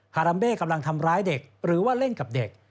รัมเบ้กำลังทำร้ายเด็กหรือว่าเล่นกับเด็ก